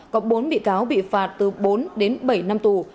cộng bốn bị cáo bị phạt từ bốn đến bảy năm tù